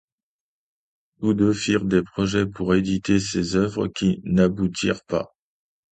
Tous deux firent des projets pour éditer ses œuvres qui n'aboutirent pas.